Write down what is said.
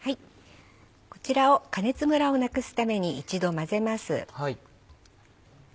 こちらを加熱ムラをなくすために一度混ぜます。